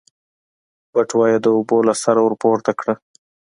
بټوه يې د اوبو له سره ورپورته کړه.